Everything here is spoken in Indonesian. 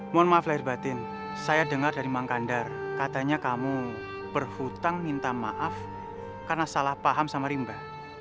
mohon maaf lahir batin saya dengar dari mangkandar katanya kamu berhutang minta maaf karena salah paham sama rimba